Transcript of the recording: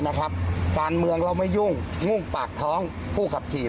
นะครับการเมืองเราไม่ยุ่งงุ่งปากท้องผู้กำขี่รถ